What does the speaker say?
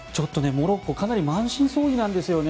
モロッコかなり満身創痍なんですよね。